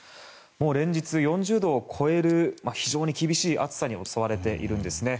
もう連日、４０度を超える非常に厳しい暑さに襲われているんですね。